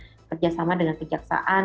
selain tentunya kerjasama dengan kejaksaan